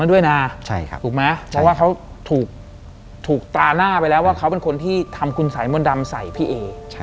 ว่าเขาถูกตาหน้าไปแล้วว่าเขาเป็นคนที่ทำคุณสายมนต์ดำสายพี่เอ